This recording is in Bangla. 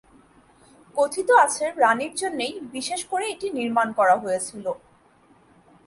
কথিত আছে রাণীর জন্যেই বিশেষ ক'রে এটি নির্মাণ করা হয়েছিল।